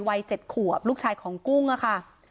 วัย๗ขวบลูกชายของกุ้งค่ะ